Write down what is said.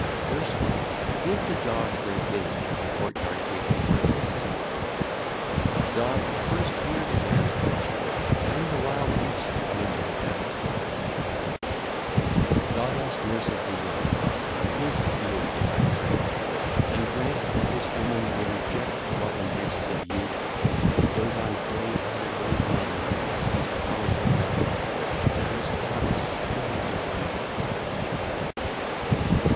First give the dogs their dinner at the courtyard gate, for this is well. The dog first hears a man approaching and the wild beast coming to the fence. XII. (4 lines) (ll. 1 4) Goddess nurse of the young 2605, give ear to my prayer, and grant that this woman may reject the love embraces of youth and dote on grey haired old men whose powers are dulled, but whose hearts still desire. XIII. (6 lines) (ll.